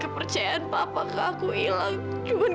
tapi saya menikah sekolah ini